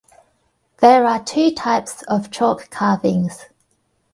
There are two types of chalk carvings.